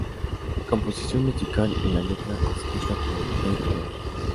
La composición musical y la letra escritas por Dave Grohl.